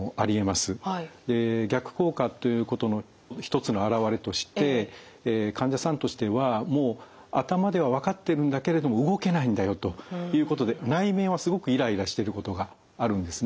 逆効果ということの一つの表れとして患者さんとしてはもう頭では分かってるんだけれども動けないんだよということで内面はすごくイライラしてることがあるんですね。